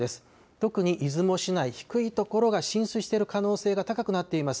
特に出雲市、低いところが浸水している可能性が高くなっています。